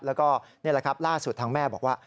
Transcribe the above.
แล้วก็นี่แหละครับล่าสุดทางแม่บอกว่า